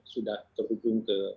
sudah terhubung ke